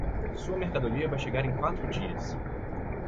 Sua mercadoria vai chegar em quatro dias.